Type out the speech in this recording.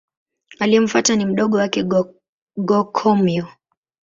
Aliyemfuata ni mdogo wake Go-Komyo.